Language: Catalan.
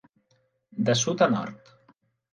De sud a nord.